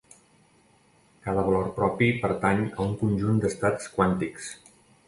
Cada valor propi pertany a un conjunt d'estats quàntics.